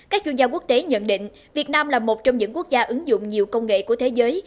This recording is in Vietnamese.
các chuyên gia quốc tế nhận định việt nam là một trong những quốc gia ứng dụng nhiều công nghệ của thế giới